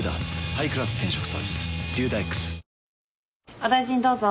お大事にどうぞ。